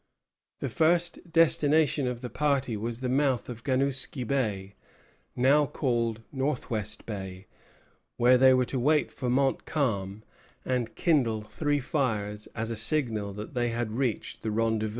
The first destination of the party was the mouth of Ganouskie Bay, now called Northwest Bay, where they were to wait for Montcalm, and kindle three fires as a signal that they had reached the rendezvous.